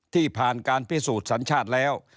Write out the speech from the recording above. ที่ผ่านการพิสูจน์สัญชาติแล้ว